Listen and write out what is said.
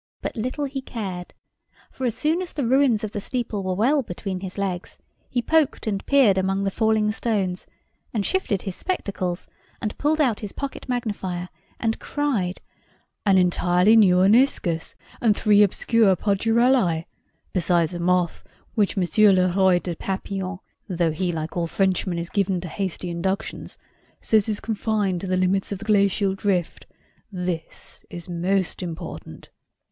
But little he cared; for as soon as the ruins of the steeple were well between his legs, he poked and peered among the falling stones, and shifted his spectacles, and pulled out his pocket magnifier, and cried— "An entirely new Oniscus, and three obscure Podurellæ! Besides a moth which M. le Roi des Papillons (though he, like all Frenchmen, is given to hasty inductions) says is confined to the limits of the Glacial Drift. This is most important!"